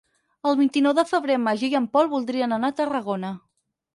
El vint-i-nou de febrer en Magí i en Pol voldrien anar a Tarragona.